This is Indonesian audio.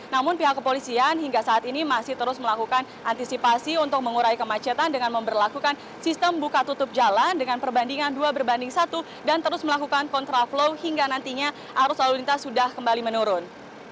namun pihak kepolisian hingga saat ini masih terus melakukan antisipasi untuk mengurai kemacetan dengan memperlakukan sistem buka tutup jalan dengan perbandingan dua berbanding satu dan terus melakukan kontraflow hingga nantinya arus lalu lintas sudah kembali menurun